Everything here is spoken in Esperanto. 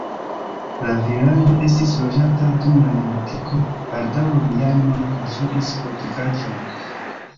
La vilaĝo estis loĝata dum la neolitiko, baldaŭ romianoj konstruis fortikaĵon.